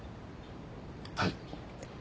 はい。